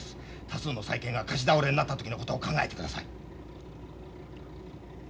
多数の債権が貸し倒れになった時のことを考えてください。